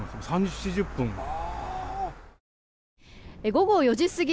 午後４時過ぎ